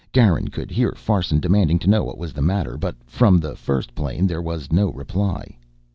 Garin could hear Farson demanding to know what was the matter. But from the first plane there was no reply.